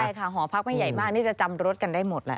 ใช่ค่ะหอพักไม่ใหญ่มากนี่จะจำรถกันได้หมดแหละ